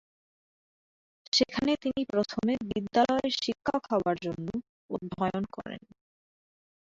সেখানে তিনি প্রথমে বিদ্যালয়ের শিক্ষক হবার জন্য অধ্যয়ন করেন।